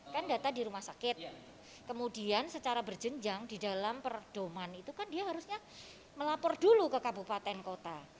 kan data di rumah sakit kemudian secara berjenjang di dalam perdoman itu kan dia harusnya melapor dulu ke kabupaten kota